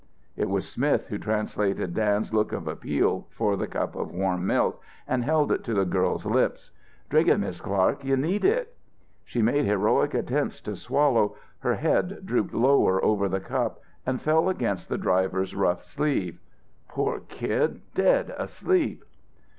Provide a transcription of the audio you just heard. It was Smith who translated Dan's look of appeal for the cup of warm milk and held it to the girl's lips. "Drink it, Mis' Clark, you need it." She made heroic attempts to swallow, her head drooped lower over the cup and fell against the driver's rough sleeve. "Poor kid, dead asleep!"